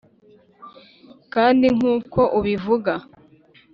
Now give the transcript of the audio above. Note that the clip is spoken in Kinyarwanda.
kandi nkuko ubivuga